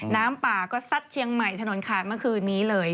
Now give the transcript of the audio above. น้ำป่าก็ซัดเชียงใหม่ถนนขาดเมื่อคืนนี้เลย